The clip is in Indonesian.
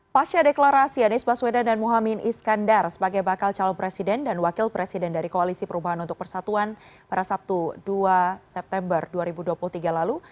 pasca deklarasi anies baswedan dan muhaymin iskandar sebagai bakal calon presiden dan wakil presiden dari koalisi perubahan untuk persatuan pada sabtu dua september dua ribu dua puluh tiga lalu